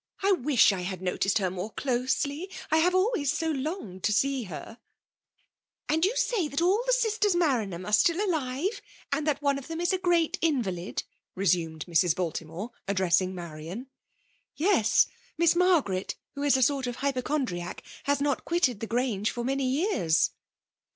*' I wish I had noticed her more closely, r>I have always so longed to see her !'*'* And you say that all the sisters Maran ham are still alive, — and that one of them is a great invalid?" resumed Mrs. Balti* more, addressing Marian. " Yes ! Miss Margaret, who is a s<M't of hypochondriac, has not quitted the Grange for many years."